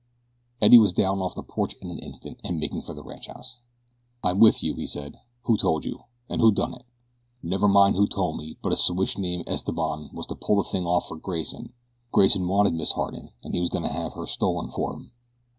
Eddie was down off the porch in an instant, and making for the ranchhouse. "I'm with you," he said. "Who told you? And who done it?" "Never mind who told me; but a siwash named Esteban was to pull the thing off for Grayson. Grayson wanted Miss Harding an' he was goin' to have her stolen for him."